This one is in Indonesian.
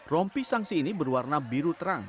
rompi sanksi ini berwarna biru terang